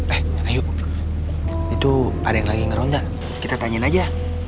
eh ayo itu ada yang lagi ngeronggan kita tanyain aja